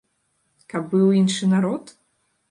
Каб быў іншы народ?